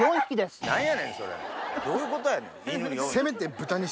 どういうことやねん犬４匹。